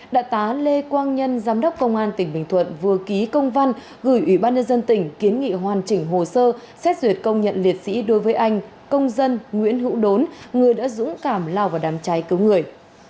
đại tá lê quang nhân giám đốc công an tỉnh bình thuận vừa ký công văn gửi ủy ban nhân dân tỉnh kiến nghị hoàn chỉnh hồ sơ xét duyệt công nhận liệt sĩ đối với anh công dân nguyễn hữu đốn người đã dũng cảm lao vào đám cháy cứu người